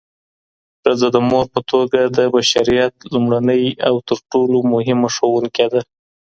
ښځه د مور په توګه د بشریت لومړنۍ او تر ټولو مهمه ښوونکي ده.